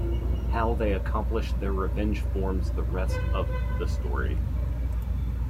How they accomplish their revenge forms the rest of the story.